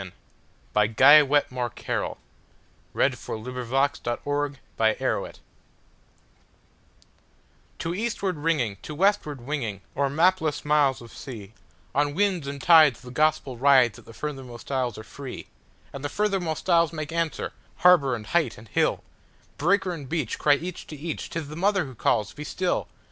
1900. By Guy WetmoreCarryl 1655 When the Great Gray Ships Come In TO eastward ringing, to westward winging, o'er mapless miles of sea, On winds and tides the gospel rides that the furthermost isles are free, And the furthermost isles make answer, harbor, and height, and hill, Breaker and beach cry each to each, "'T is the Mother who calls! Be still!"